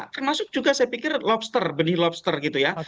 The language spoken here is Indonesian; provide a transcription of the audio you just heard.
termasuk juga saya pikir lobster benih lobster gitu ya